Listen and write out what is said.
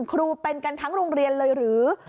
ครูเป็นกันทั้งโรงเรียนเลยหรือ